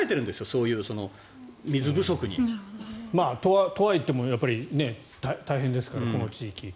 そういう水不足に。とはいっても大変ですから、この地域。